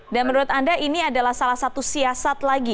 dan menurut anda ini adalah salah satu siasat lagi